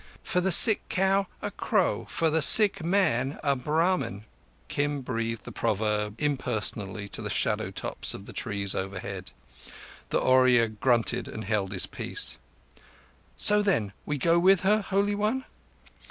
"For the sick cow a crow; for the sick man a Brahmin." Kim breathed the proverb impersonally to the shadow tops of the trees overhead. The Oorya grunted and held his peace. "So then we go with her, Holy One?"